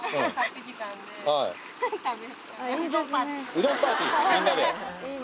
うどんパーティーみんなで。